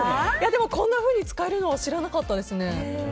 でも、こんなふうに使えるのは知らなかったですね。